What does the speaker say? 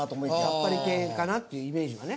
さっぱり系かなっていうイメージはね。